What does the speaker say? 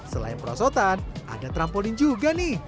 selain perosotan ada trampolin juga nih